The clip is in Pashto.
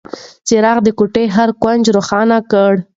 څراغ د کوټې هر کونج روښانه کړ.